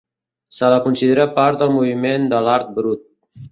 Se la considera part del moviment de l'Art Brut.